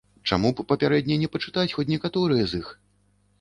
Чаму б папярэдне не пачытаць хоць некаторыя з іх?